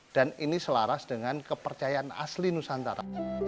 dan ini selaras dengan kepercayaan asli nusantara